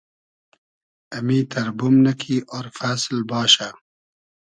امیتئر بومنۂ کی آر فئسل باشہ